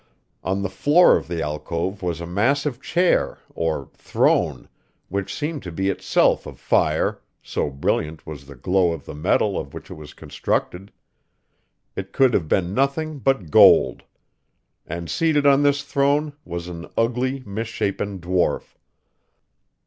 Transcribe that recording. On the floor of the alcove was a massive chair, or throne, which seemed to be itself of fire, so brilliant was the glow of the metal of which it was constructed. It could have been nothing but gold. And seated on this throne was an ugly, misshapen dwarf.